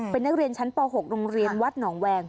เป็นนักเรียนชั้นป๖โรงเรียนวัดหนองแวง